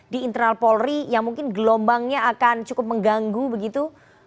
di internal polri yang mungkin gelombangnya akan cukup mengganggu begitu